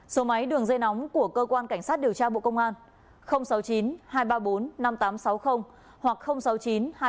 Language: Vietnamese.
số máy đường dây nóng của cơ quan cảnh sát điều tra bộ công an sáu mươi chín hai trăm ba mươi bốn năm nghìn tám trăm sáu mươi hoặc sáu mươi chín hai trăm ba mươi hai một nghìn sáu trăm sáu mươi bảy